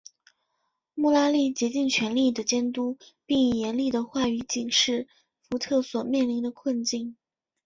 穆拉利竭尽全力地监督并以严厉的话语警示福特所面临的困境。